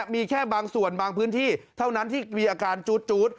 มีแค่บางส่วนบางพื้นที่เท่านั้นที่มีอาการจู๊ด